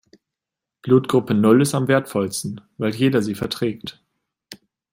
Blutgruppe Null ist am wertvollsten, weil jeder sie verträgt.